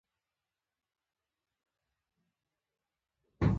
غالبه خوا ګام وړاندې شو